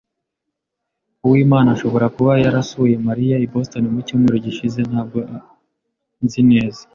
Uwimana ashobora kuba yarasuye Mariya i Boston mu cyumweru gishize. Ntabwo nzi neza.